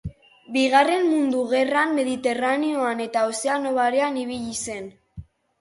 Bigarren Mundu Gerran Mediterraneoan eta Ozeano Barean ibili zen.